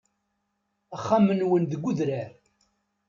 Axxam-nwen deg udrar.